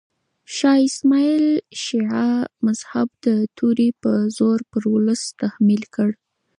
شاه اسماعیل شیعه مذهب د تورې په زور پر ولس تحمیل کړ.